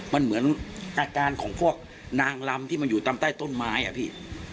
มันเหมือนอาการของพวกนางลำที่มันอยู่ตามใต้ต้นไม้อ่ะพี่